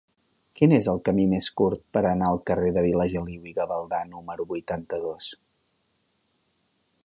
Quin és el camí més curt per anar al carrer de Vilageliu i Gavaldà número vuitanta-dos?